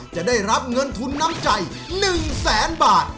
จะได้รับเงินทุนน้ำใจ๑แสนบาท